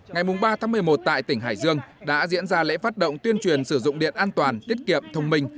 ngày ba tháng một mươi một tại tỉnh hải dương đã diễn ra lễ phát động tuyên truyền sử dụng điện an toàn tiết kiệm thông minh